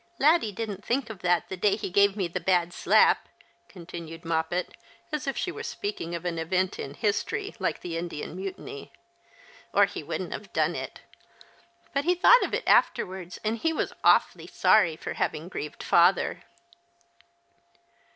Laddie didn't think of that the day he gave me the bad slap," continued Moppet, as if she were speaking of an event in history, like the Indian Mutiny, " or he wouldn't have done it ; but he thought of it afterwards, and he was awfully sorry for having grieved father."